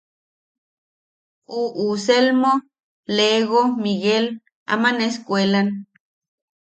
Uʼu Selmo, Lego, Miguel aman escuelan.